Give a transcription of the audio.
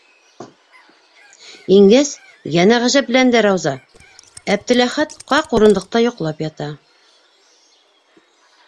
Ингәс, йәнә ғәжәпләнде Рауза: Әптеләхәт ҡаҡ урындыҡта йоҡлап ята.